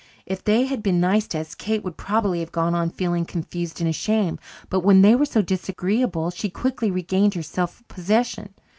If they had been nice to us, Kate would probably have gone on feeling confused and ashamed. But when they were so disagreeable she quickly regained her self possession.